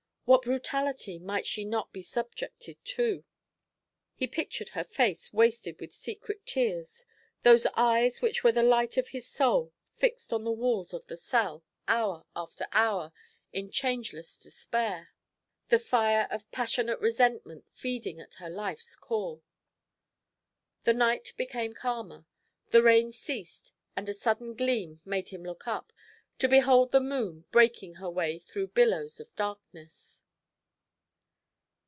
What brutality might she not be subjected to? He pictured her face wasted with secret tears, those eyes which were the light of his soul fixed on the walls of the cell, hour after hour, in changeless despair, the fire of passionate resentment feeding at her life's core. The night became calmer. The rained ceased, and a sudden gleam made him look up, to behold the moon breaking her way through billows of darkness.